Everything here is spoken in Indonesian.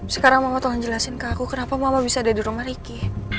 sekarang mama tuhan jelasin ke aku kenapa mama bisa ada di rumah riki